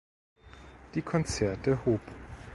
Die Konzerte Hob.